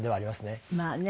まあね。